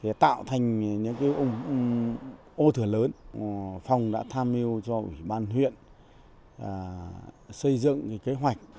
thì tạo thành những cái ô thừa lớn phòng đã tham mưu cho ủy ban huyện xây dựng cái hoạch